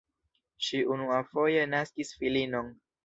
Ŝi unuafoje naskis filinon.